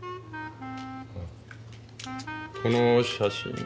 この写真。